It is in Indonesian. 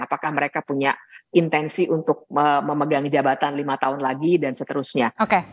apakah mereka punya intensi untuk memegang jabatan lima tahun lagi dan seterusnya